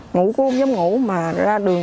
ngủ cũng giống ngủ mà ra đường